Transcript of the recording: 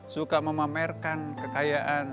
suka memamerkan kekayaan